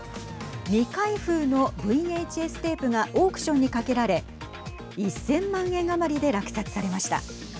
未開封のＶＨＳテープがオークションにかけられ１０００万円余りで落札されました。